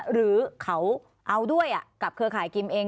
หรือเขาเอาด้วยกับเครือข่ายกิมเอง